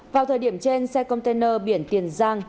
vào thời điểm trên xe container biển tiền giang